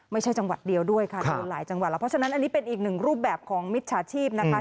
จังหวัดเดียวด้วยค่ะโดนหลายจังหวัดแล้วเพราะฉะนั้นอันนี้เป็นอีกหนึ่งรูปแบบของมิจฉาชีพนะคะ